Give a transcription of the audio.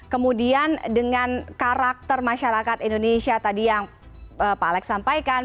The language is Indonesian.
kemudian dengan karakter masyarakat indonesia tadi yang pak alex sampaikan